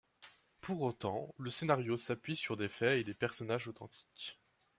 Pour autant, le scénario s'appuie sur des faits et des personnages authentiques.